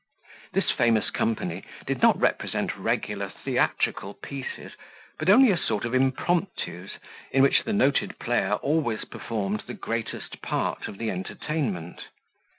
This famous company did not represent regular theatrical pieces, but only a sort of impromptus, in which this noted player always performed the greatest part of the entertainment.